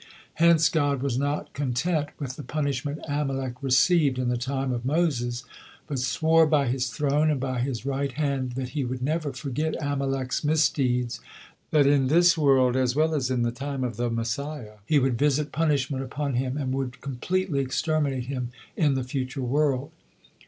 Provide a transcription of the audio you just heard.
Hence God was not content with the punishment Amalek received in the time of Moses, but swore by His throne and by His right hand that He would never forget Amalek's misdeeds, that in this world as well as in the time of the Messiah He would visit punishment upon him, and would completely exterminate him in the future world.